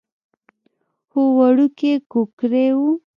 هو وړوکی کوکری و.